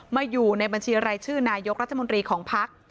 อยู่ในบัญชีรายชื่อนายกรัฐมนตรีของพัก